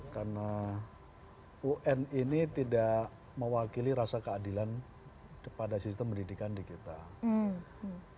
karena un ini tidak mewakili rasa keadilan pada sistem pendidikan digital